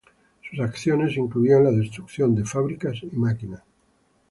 Sus acciones incluían la destrucción de fábricas y máquinas.